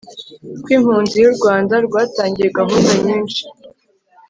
kw'impunzi u rwanda rwatangiye gahunda nyinshi